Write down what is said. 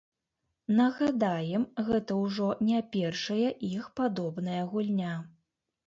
Нагадаем, гэта ўжо не першая іх падобная гульня.